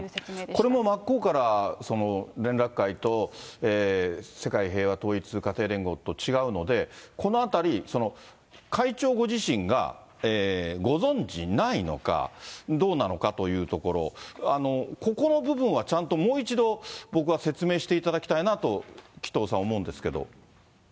これも真っ向から、連絡会と世界平和統一家庭連合と違うので、このあたり、会長ご自身がご存じないのか、どうなのかというところ、ここの部分はちゃんともう一度、僕は説明していただきたいなと紀藤さん、思うんですけど。